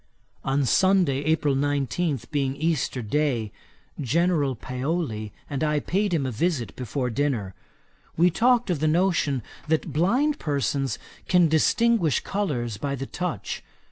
On Sunday, April 19, being Easter day, General Paoli and I paid him a visit before dinner. We talked of the notion that blind persons can distinguish colours by the touch.